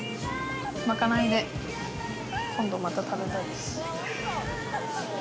まかないで、今度また食べたいです。